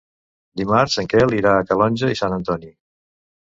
Dimarts en Quel irà a Calonge i Sant Antoni.